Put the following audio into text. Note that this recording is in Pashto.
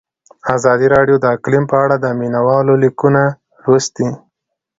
ازادي راډیو د اقلیم په اړه د مینه والو لیکونه لوستي.